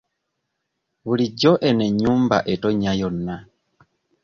Bulijjo eno ennyumba etonnya yonna?